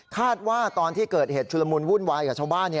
ว่าตอนที่เกิดเหตุชุลมุนวุ่นวายกับชาวบ้าน